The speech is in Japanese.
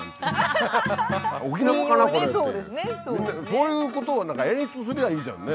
そういうことを演出すりゃいいじゃんね。